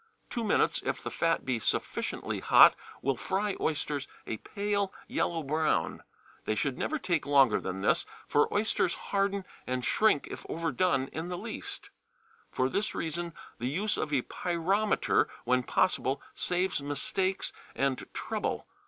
Two minutes, if the fat be sufficiently hot, will fry oysters a pale yellow brown. They should never take longer than this, for oysters harden and shrink if overdone in the least. For this reason the use of a pyrometer, when possible, saves mistakes and trouble.